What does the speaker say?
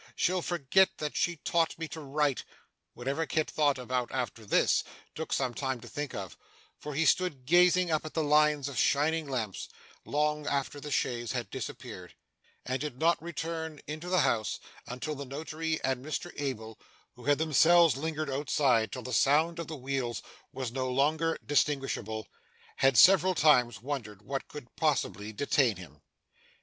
She'll forget that she taught me to write ' Whatever Kit thought about after this, took some time to think of, for he stood gazing up the lines of shining lamps, long after the chaise had disappeared, and did not return into the house until the Notary and Mr Abel, who had themselves lingered outside till the sound of the wheels was no longer distinguishable, had several times wondered what could possibly detain him.